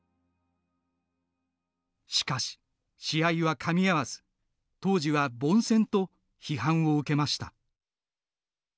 しかし試合はかみ合わず当時は凡戦と批判を受けました。